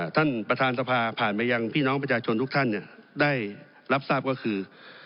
ท่านประธานสภาผ่านไปยังพี่น้องประชาชนทุกท่านได้รับทราบก็คือ